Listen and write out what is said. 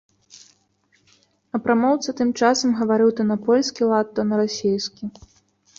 А прамоўца тым часам гаварыў то на польскі лад, то на расейскі.